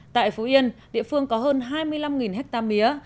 tại phú yên địa phương có hơn hai mươi năm hectare mía